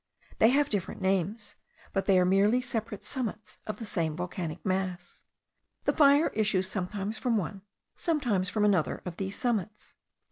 They have different names, but they are merely separate summits of the same volcanic mass. The fire issues sometimes from one, sometimes from another of these summits.